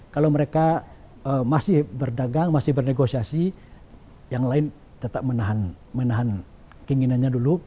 kalau mereka masih berdagang masih bernegosiasi yang lain tetap menahan keinginannya dulu